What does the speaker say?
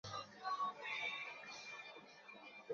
বারাকে কিন্তু কোন মুসলিম বাহিনীর সেনাপতি বানাবে না।